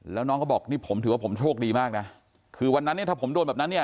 แล้วน้องเขาบอกนี่ผมถือว่าผมโชคดีมากนะคือวันนั้นเนี่ยถ้าผมโดนแบบนั้นเนี่ย